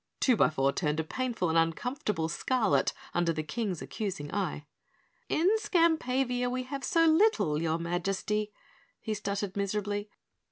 Twobyfour turned a painful and uncomfortable scarlet under the King's accusing eye. "In Skampavia we have so little, your Majesty," he stuttered miserably.